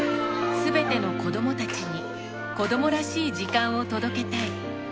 全ての子どもたちに子どもらしい時間を届けたい。